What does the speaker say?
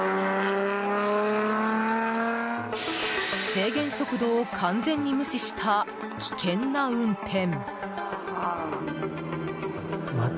制限速度を完全に無視した危険な運転。